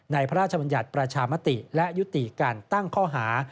พระราชบัญญัติประชามติและยุติการตั้งข้อหา